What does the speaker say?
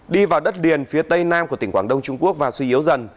đi vào đất liền phía tây nam của tỉnh quảng đông trung quốc và suy yếu dần